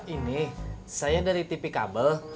ini saya dari tv kabel